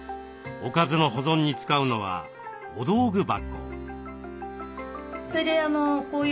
おかずの保存に使うのはお道具箱。